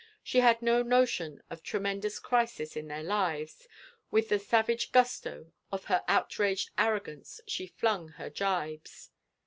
She had no notion of tremendous crisis in their lives. With the sav age gusto of her outraged arrogance she flung her gibes.